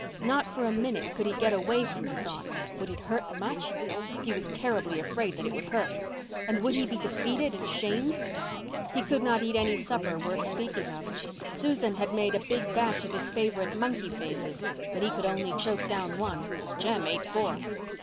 Not for a minute could he get away from the thought. Would it hurt much? He was terribly afraid that it would hurt. And would he be defeated and shamed? He could not eat any supper worth speaking of. Susan had made a big batch of his favourite monkey faces, but he could choke only one down. Jem ate four.